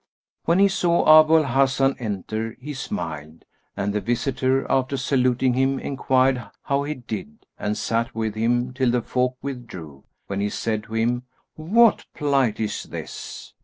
When he saw Abu al Hasan enter he smiled, and the visitor, after saluting him, enquired how he did and sat with him till the folk withdrew, when he said to him, "What plight is this?"